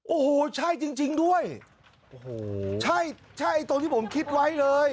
โอ้โหใช่จริงจริงด้วยโอ้โหใช่ใช่ไอ้ตรงที่ผมคิดไว้เลย